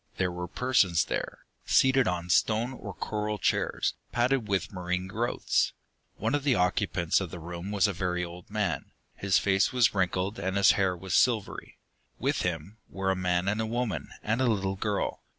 There were persons there, seated on stone or coral chairs, padded with marine growths. One of the occupants of the room was a very old man; his face was wrinkled, and his hair was silvery. With him were a man and a woman, and a little girl.